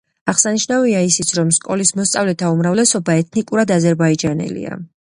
აღსანიშნავია ისიც, რომ სკოლის მოსწავლეთა უმრავლესობა ეთნიკურად აზერბაიჯანელია.